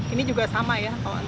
ini juga sama ya